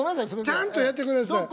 ちゃんとやってください。